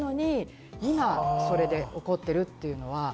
なのに、今それで起こってるというのは。